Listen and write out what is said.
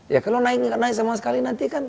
ya kalau naiknya naik sama sekali nanti kan